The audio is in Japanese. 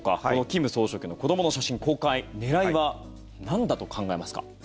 金総書記の子どもの写真公開狙いはなんだと考えますか？